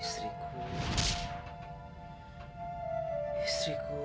saya punya seseorang lau